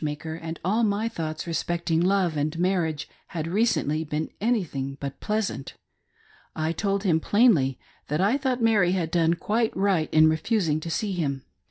maker, and all my thoughts respecting love and marriage ha4 recently been anything but pleasant. I told him plainly tha,t I thought Mary had done quite right in, refusing to see him. ONE OF eve's.